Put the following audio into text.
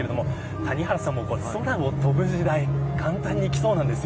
谷原さん、もう、空を飛ぶ時代簡単に、きそうです。